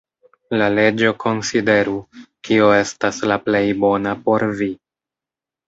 La leĝo konsideru, kio estas la plej bona por vi.